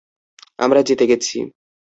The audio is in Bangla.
আমরা জিতে গেছি।